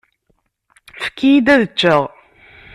Efk-iyi-d ad ččeɣ.